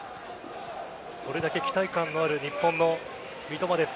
それだけ期待感のある日本の三笘です。